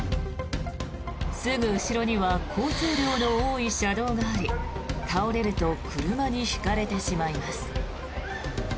すぐ後ろには交通量の多い車道があり倒れると車にひかれてしまいます。